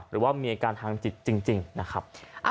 หรือว่ามีอาการทางจิตจริงนะครับ